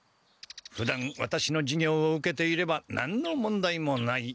ふだんワタシの授業を受けていれば何の問題もない！